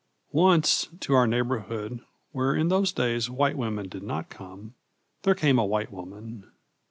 Once, to our neighborhood, where in those days white women did not come, there came a white woman.